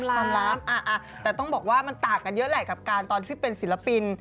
ความล้ามแต่ต้องบอกว่ามันต่างกันเยอะแหละกับการตอนที่เป็นศิลปิน